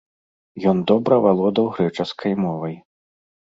Ён добра валодаў грэчаскай мовай.